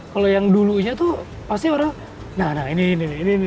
kalau yang dulunya tuh pasti orang nah ini ini